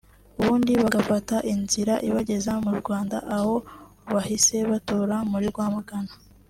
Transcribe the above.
ubundi bagafata inzira ibageza mu Rwanda aho bahise batura muri Rwamagana